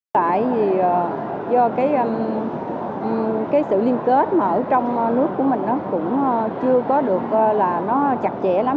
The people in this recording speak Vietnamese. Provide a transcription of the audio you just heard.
tại vì do cái sự liên kết mà ở trong nước của mình nó cũng chưa có được là nó chặt chẽ lắm